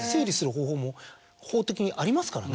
法的にありますからね。